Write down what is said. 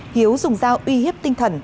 hiếu dùng dao uy hiếp tinh thần